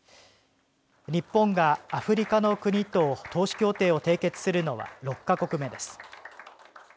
日本がアフリカの国と投資協定を締結するのは６か国目です。